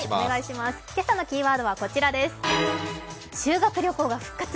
今朝のキーワードはこちらです。